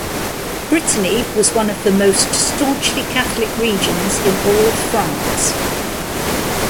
Brittany was one of the most staunchly Catholic regions in all of France.